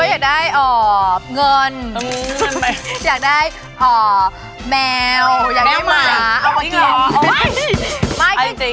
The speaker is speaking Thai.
อยากได้เงินอยากได้แมวอยากได้หมาเอามากิน